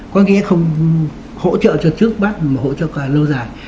có nghĩa là không hỗ trợ cho trước bắt mà hỗ trợ cho lâu dài